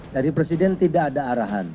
dari presiden tidak ada arahan